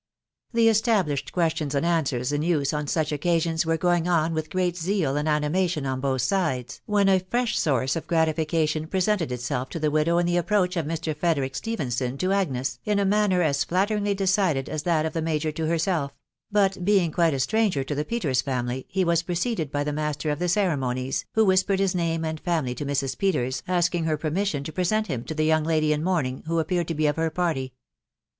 r The established questions and answers in use on such occa j sions were going on with great zeal and animation on both ■ sides, when a fresh source of gratification presented itself to the widow in the approach of Mr. Frederick Stephenson to Agnes, in a manner as flatteringly decided as that of the major to herself; but, being quite a stranger to the Peters family, he was preceded by the master pf the ceremonies, who whis pered his name and family to Mrs. Peters, asking her permis sion to present him to the young lady in mourning, who appeared to be of her party.